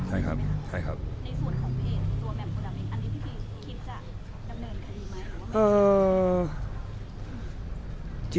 อันนี้พี่คิดจะดำเนินคดีไหม